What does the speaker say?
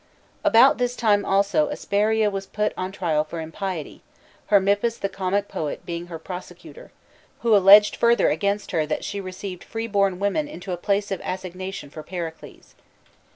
About this time also Aspasia was put on trial for impiety, Hermippus the comic pcet being her prosecutor, who alleged further against her that she received free born women into a place of assign ation for Pericles.